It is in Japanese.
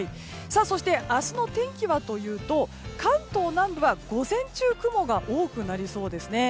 そして明日の天気はというと関東南部は午前中雲が多くなりそうですね。